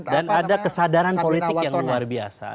dan ada kesadaran politik yang luar biasa